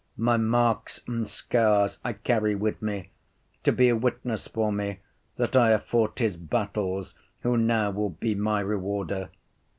My marks and scars I carry with me, to be a witness for me that I have fought his battles who now will be my rewarder.